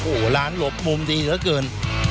โอ้โหร้านหลบมุมดีเหลือเกิน